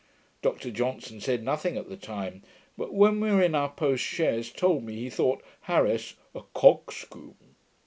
Dr Johnson said nothing at the time; but when we were in our post chaise, told me, he thought Harris 'a coxcomb'.